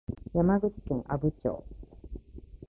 山口県阿武町